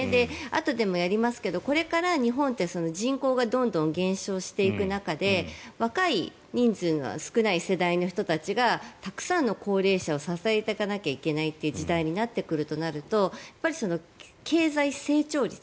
あとでもやりますがこれから日本って人口がどんどん減少していく中で若い人数が少ない世代の人たちがたくさんの高齢者を支えていかないといけない時代になってくるとなると経済成長率